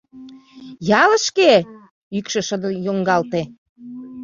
— Ялышке! — йӱкшӧ шыдын йоҥгалте.